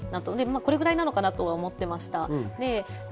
これくらいなのかなと思っていました。